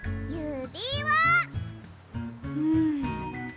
うん？